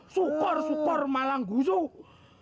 sukur sukur malang gusuk